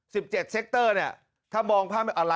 ๑๗เซคเตอร์ถ้าว่ามอง